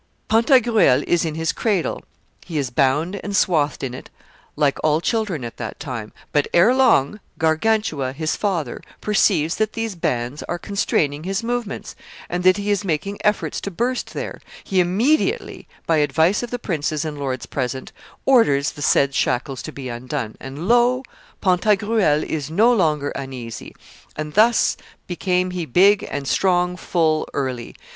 ... Pantagruel is in his cradle; he is bound and swathed in it like all children at that time; but, ere long, Gargantua, his father, perceives that these bands are constraining his movements, and that he is making efforts to burst there; he immediately, by advice of the princes and lords present, orders the said shackles to be undone, and lo! Pantagruel is no longer uneasy. ... And thus became he big and strong full early.